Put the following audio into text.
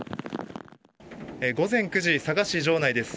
午前９時、佐賀市城内です